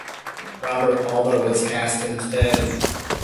Robert Alda was cast instead.